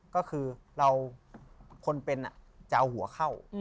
ก็คือคนเป็นจะเอาหัวเข้า